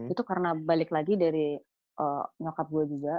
itu karena balik lagi dari nyokap gue juga